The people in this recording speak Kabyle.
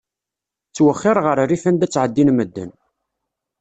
Ttwexxir ɣer rrif anda ttɛeddin medden.